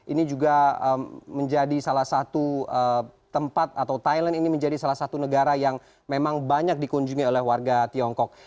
ini juga menjadi salah satu tempat atau thailand ini menjadi salah satu negara yang memang banyak dikunjungi oleh warga tiongkok